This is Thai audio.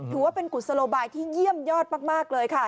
ถือว่าเป็นกุศโลบายที่เยี่ยมยอดมากเลยค่ะ